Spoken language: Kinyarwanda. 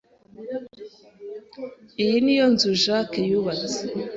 Iyi niyo nzu Jack yubatse.